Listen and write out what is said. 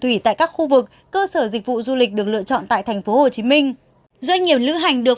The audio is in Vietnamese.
thủy tại các khu vực cơ sở dịch vụ du lịch được lựa chọn tại tp hcm doanh nghiệp lữ hành được